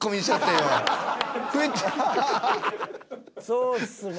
［そうですね］